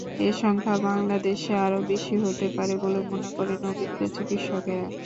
এ সংখ্যা বাংলাদেশে আরও বেশি হতে পারে বলে মনে করেন অভিজ্ঞ চিকিৎসকেরা।